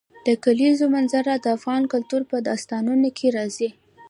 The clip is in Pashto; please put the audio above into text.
د کلیزو منظره د افغان کلتور په داستانونو کې راځي.